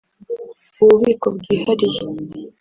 ububiko bwihariye